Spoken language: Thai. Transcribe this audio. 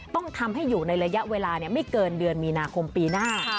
ต้องทำให้อยู่ในระยะเวลาไม่เกินเดือนมีนาคมปีหน้า